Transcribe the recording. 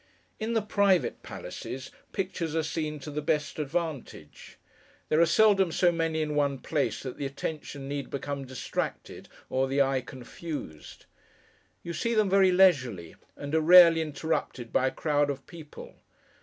In the private palaces, pictures are seen to the best advantage. There are seldom so many in one place that the attention need become distracted, or the eye confused. You see them very leisurely; and are rarely interrupted by a crowd of people.